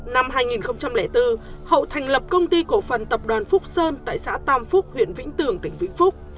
năm hai nghìn bốn hậu thành lập công ty cổ phần tập đoàn phúc sơn tại xã tam phúc huyện vĩnh tường tỉnh vĩnh phúc